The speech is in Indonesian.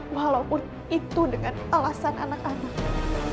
walaupun itu dengan alasan anak anak